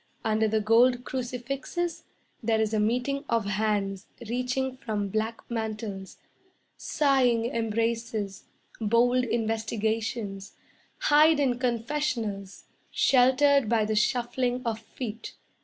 Under the gold crucifixes There is a meeting of hands Reaching from black mantles. Sighing embraces, bold investigations, Hide in confessionals, Sheltered by the shuffling of feet.